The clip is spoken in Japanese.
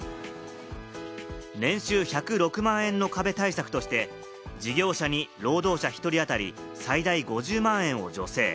年収１０６万円の壁対策として、事業者に労働者１人当たり最大５０万円を助成。